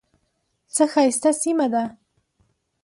څه ښایسته سیمه ده .